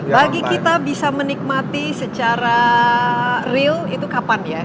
bagi kita bisa menikmati secara real itu kapan ya